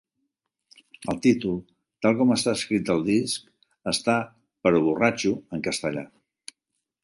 El títol, tal com està escrit al disc, està "però borratxo" en castellà.